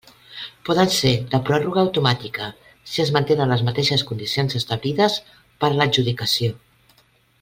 Poden ser de pròrroga automàtica, si es mantenen les mateixes condicions establides per a l'adjudicació.